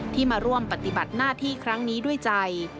ที่มาร่วมปฏิบัติหน้าที่ครั้งนี้ด้วยใจ